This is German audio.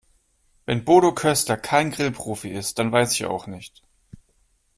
Wenn Bodo Köster kein Grillprofi ist, dann weiß ich auch nicht.